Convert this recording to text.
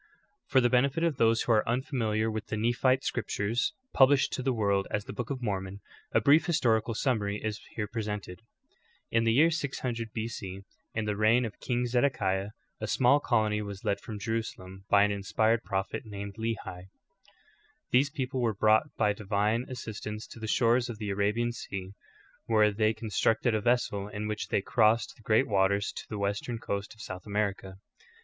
24. For the benefit of those who are unfamiliar with the Nephite scriptures, published to the world as the Book of Mormon, a brief historical summary is here presented.*^ In the year 600 B. C, in the reign of King Zedekiah, a small colony was led from Jerusalem by an inspired proph et named Lehi. These people were brought by divine as sistance to the shores of the Arabian Sea, where they con structed a vessel in which they crossed the great waters to the western coast of South America.